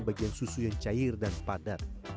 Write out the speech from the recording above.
bagian susu yang cair dan padat